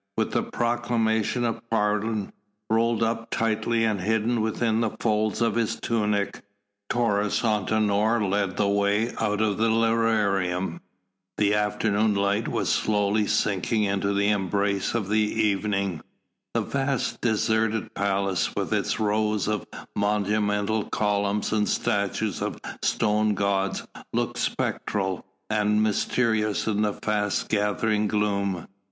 With the proclamation of pardon rolled up tightly and hidden within the folds of his tunic, Taurus Antinor led the way out of the lararium. The afternoon light was slowly sinking into the embrace of evening. The vast deserted palace, with its rows of monumental columns and statues of stone gods looked spectral and mysterious in the fast gathering gloom.